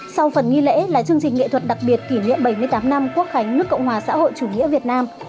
sau phần nghi lễ là chương trình nghệ thuật đặc biệt kỷ niệm bảy mươi tám năm quốc khánh nước cộng hòa xã hội chủ nghĩa việt nam